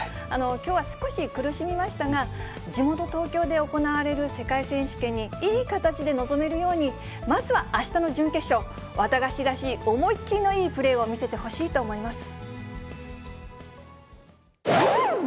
きょうは少し苦しみましたが、地元東京で行われる世界選手権にいい形で臨めるように、まずはあしたの準決勝、ワタガシらしい思い切りのいいプレーを見せてほしいと思います。